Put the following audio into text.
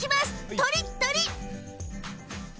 とりっとり！